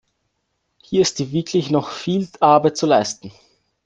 Hier ist wirklich noch viel Arbeit zu leisten.